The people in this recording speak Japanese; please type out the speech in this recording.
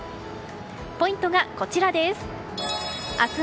ポイントがこちらです。